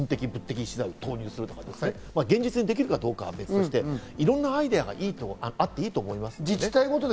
今なら沖縄に人的、物的資材を投入するとか、現実にできるかどうか別として、いろんなアイデアがあっていいと思います。